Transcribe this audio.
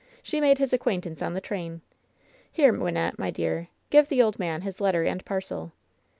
She made his acquaintance on the train. Here, Wyn nette, my dear, give the old man his letter and parcel.''